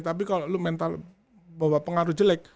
tapi kalau lo mental bawa pengaruh jelek